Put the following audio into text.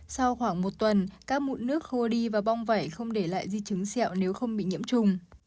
sau khoảng một tuần các mụn nước khô đi và bong vẩy không để lại di chứng dẹo nếu không bị nhiễm trùng